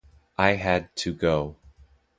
I had to go.